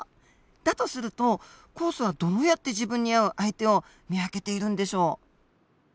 だとすると酵素はどうやって自分に合う相手を見分けているんでしょう。